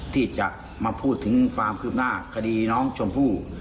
ที่จะมาพูดถึงความคืบหน้าคดีน้องชมพู่